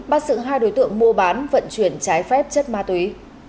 bắt sự hai đối tượng mua bán vận chuyển trái phép chất ma túy